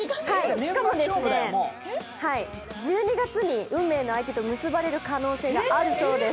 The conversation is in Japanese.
しかも１２月に運命の相手と結ばれる可能性ガアルそうです。